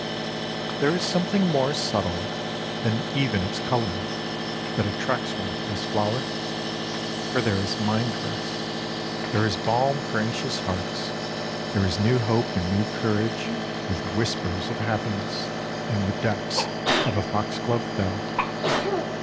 There is something more subtle than even its colouring that attracts one to this flower, for there is mind rest, there is balm for anxious hearts, there is new hope and new courage, with whispers of happiness, in the depths of a foxglove bell.